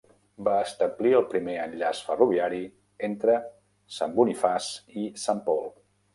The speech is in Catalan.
Va establir el primer enllaç ferroviari entre Saint Boniface i Saint Paul.